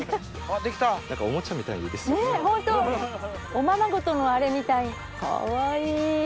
おままごとのあれみたいかわいい！